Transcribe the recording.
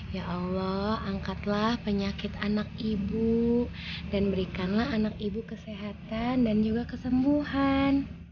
ya allah angkatlah penyakit anak ibu dan berikanlah anak ibu kesehatan dan juga kesembuhan